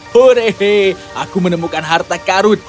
horehe aku menemukan harta karut